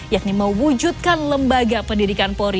yakni mewujudkan lembaga pendidikan polri